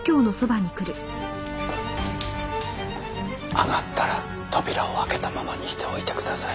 上がったら扉を開けたままにしておいてください。